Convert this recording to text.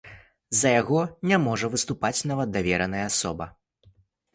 За яго не можа выступаць нават давераная асоба.